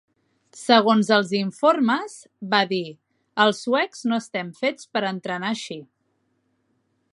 Segons els informes, va dir: "Els suecs no estem fets per entrenar així".